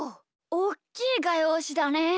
おっきいがようしだねえ！